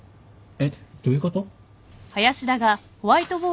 えっどういうこと？